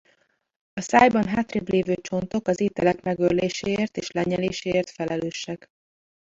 A szájban hátrébb lévő csontok az ételek megőrléséért és lenyeléséért felelősek.